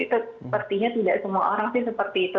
sepertinya tidak semua orang sih seperti itu